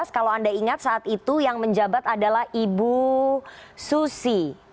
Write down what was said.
kalau anda ingat saat itu yang menjabat adalah ibu susi